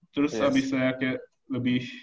terus abis itu kayak lebih kurusan dia benerin